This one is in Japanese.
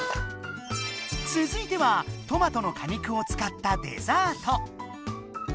つづいてはトマトの果肉をつかったデザート。